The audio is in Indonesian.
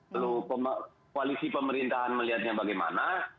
lalu koalisi pemerintahan melihatnya bagaimana